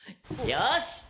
よし！